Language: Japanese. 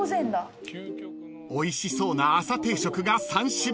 ［おいしそうな朝定食が３種類］